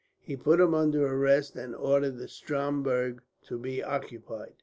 He put him under arrest, and ordered the Stromberg to be occupied.